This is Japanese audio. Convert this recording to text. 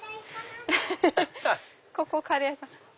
ここカレー屋さん。